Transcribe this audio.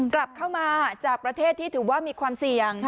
กลับเข้ามาจากประเทศที่ถือว่ามีความเสี่ยง